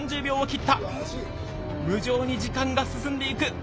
無情に時間が進んでいく。